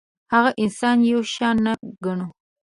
هغه انسان یو شان نه ګڼو.